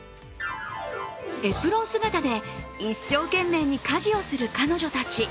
エプロン姿で一生懸命に家事をする彼女たち。